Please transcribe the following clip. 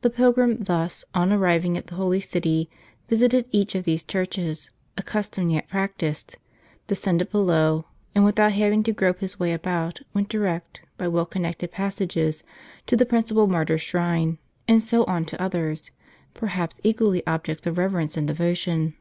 The pilgrim, thus, on arriving at the holy city, visited each of these churches, a custom yet practised ; descended below, and without having to grope his way about, went direct, by well constructed passages, to the principal martyr's shrine, and so on to others, perhaps equally objects of reverence and devotion.